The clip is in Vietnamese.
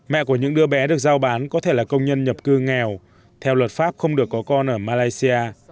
mẹ của những đứa bé được giao bán có thể là công nhân nhập cư nghèo theo luật pháp không được có con ở malaysia